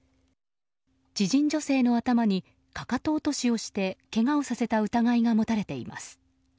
知人女性の頭にかかと落としをしてけがをさせた疑いが持たれています。